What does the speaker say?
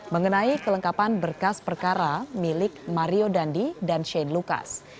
mengenai kelengkapan berkas perkara milik mario dandi dan shane lucas